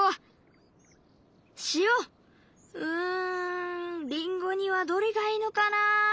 うんりんごにはどれがいいのかな？